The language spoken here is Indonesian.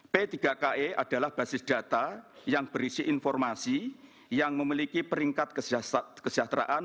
p tiga ki adalah basis data yang berisi informasi yang memiliki peringkat kesejahteraan